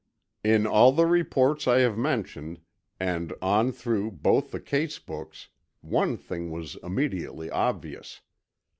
In all the reports I have mentioned, and on through both the case books, one thing was immediately obvious.